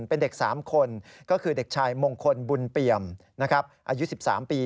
เป็นเด็ก๓คนก็คือเด็กชายมงคลบุญเปี่ยมอายุ๑๓ปี